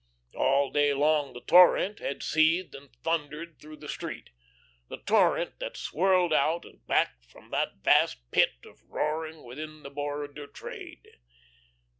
All day long the torrent had seethed and thundered through the street the torrent that swirled out and back from that vast Pit of roaring within the Board of Trade.